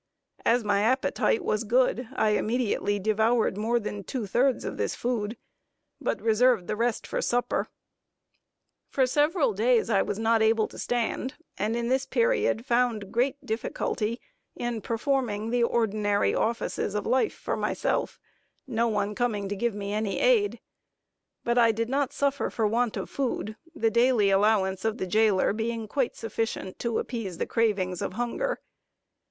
As my appetite was good, I immediately devoured more than two thirds of this food, but reserved the rest for supper. For several days I was not able to stand, and in this period found great difficulty in performing the ordinary offices of life for myself, no one coming to give me any aid; but I did not suffer for want of food, the daily allowance of the jailer being quite sufficient to appease the cravings of hunger.